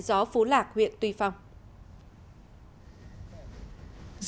gió phú lạc huyện tuy phong